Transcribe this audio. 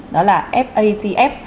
đó là fatf